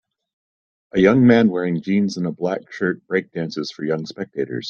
A young man wearing jeans and a black shirt breakdances for young spectators.